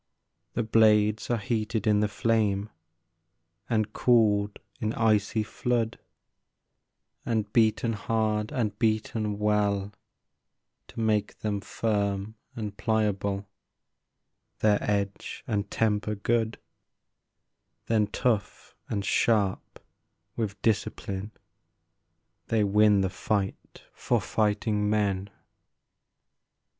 The blades are heated in the flame, And cooled in icy flood, And beaten hard, and beaten well, To make them firm and pliable, Their edge and temper good ; Then tough and sharp with discipline, They win the fight for fighting men.